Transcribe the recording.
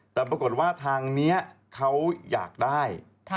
แต่ปรากฏว่าทางนี้เขาอยากได้